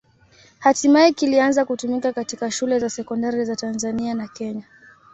Hatimaye kilianza kutumika katika shule za sekondari za Tanzania na Kenya.